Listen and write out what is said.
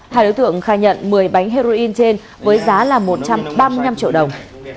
hai đối tượng khai nhận một mươi bánh heroin trên với giá là một trăm ba mươi năm triệu đồng